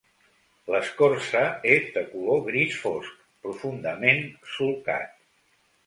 L'escorça és de color gris fosc, profundament solcat.